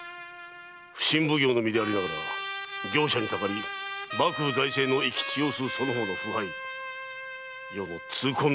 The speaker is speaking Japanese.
普請奉行の身でありながら業者にたかり幕府財政の生き血を吸うその方の腐敗余の痛恨の人事であった。